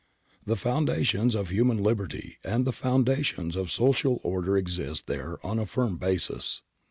The foundations of human liberty and the foundations of social order exist there on a firm basis.